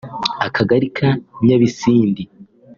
Akagari ka Nyabisindi